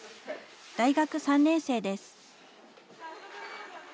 大学３年生です。